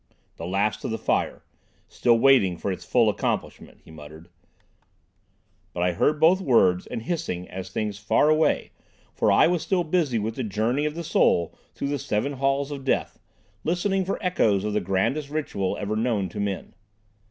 "The last of the Fire—still waiting for its full accomplishment," he muttered; but I heard both words and hissing as things far away, for I was still busy with the journey of the soul through the Seven Halls of Death, listening for echoes of the grandest ritual ever known to men.